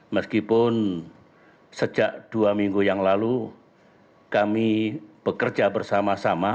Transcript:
meskipun sejak dua minggu yang lalu kami bekerja bersama sama